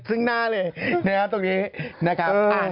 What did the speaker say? ซึ่งหน้าเลยนะครับตรงนี้